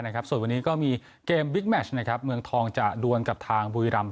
นะครับส่วนบันนี้ก็มีเกมส์บิ๊กแมชนะครับมืองทองจะล้วนกับทางบุรีรัมย์